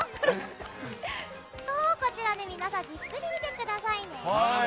こちらで皆さんじっくり見てくださいね。